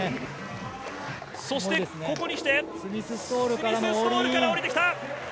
そしてここにきて、スミスストールから降りてきた。